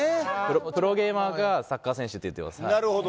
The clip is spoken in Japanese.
プロゲーマーかサッカー選手って言ってます。